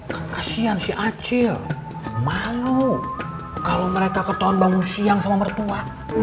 kan kasihan si acil malu kalau mereka ketahuan bangun siang sama mertua